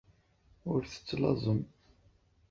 Ur tettlaẓem.